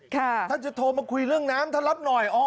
ท่านจะโทรมาคุยเรื่องน้ำท่านรับหน่อย